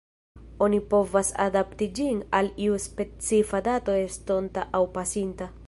Oni povas adapti ĝin al iu specifa dato estonta aŭ pasinta.